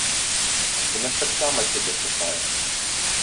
Яна ж таксама сябе шукае!